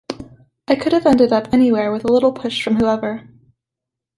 I could have ended up anywhere with a little push from whoever.